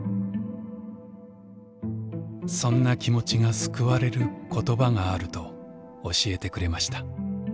そんな気持ちが救われる言葉があると教えてくれました。